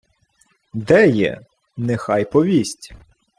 — Де є? Нехай повість!